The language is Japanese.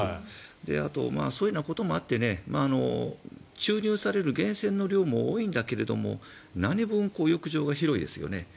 あとそういうこともあって注入される源泉の量も多いんだけど何分、浴場が広いですよね。